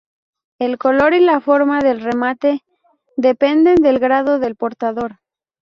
El color y la forma del remate dependen del grado del portador.